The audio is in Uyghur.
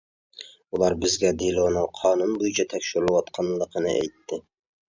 ئۇلار بىزگە دېلونىڭ قانۇن بويىچە تەكشۈرۈلۈۋاتقانلىقىنى ئېيتتى.